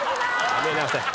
やめなさい。